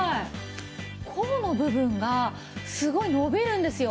甲の部分がすごい伸びるんですよ。